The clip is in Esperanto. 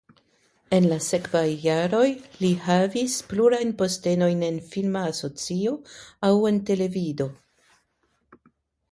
En la sekvaj jaroj li havis plurajn postenojn en filma asocio aŭ en televido.